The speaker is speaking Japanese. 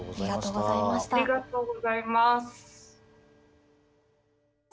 ありがとうございます。